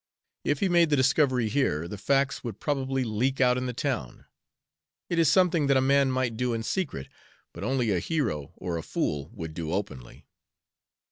"If he made the discovery here, the facts would probably leak out in the town. It is something that a man might do in secret, but only a hero or a fool would do openly."